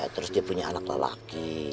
terus dia punya anak lelaki